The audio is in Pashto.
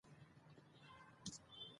ماري کوري د تجربې پایله ثبت نه کړه؟